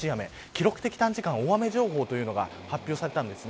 記録的短時間大雨情報というのが発表されたんです。